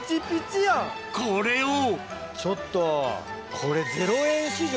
これをちょっとこれ。